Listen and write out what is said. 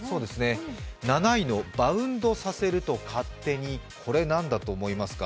７位のバウンドさせると勝手に、これ何だと思いますか？